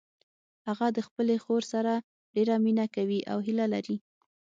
هغه د خپلې خور سره ډیره مینه کوي او هیله لري